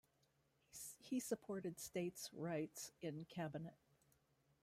He supported states' rights in Cabinet.